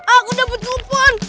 aku dapet upon